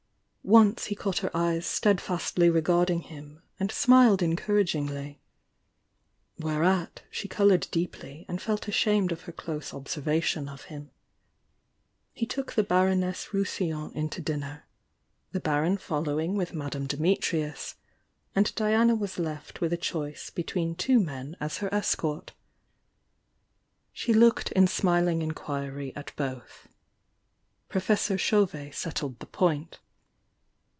Once he caught her eyes steadfastly regarding him, and smiled encouragingly. Whereat she coloured deeply and felt ashamed of her close observation of him. He took the Baroness Rousillon in to dinner, the Baron following with Madame Dunitrius, and Diana was left with a choice between two men as her escort. She looked in smiling inquiry at both. Pro fessor Chauvet settled the point.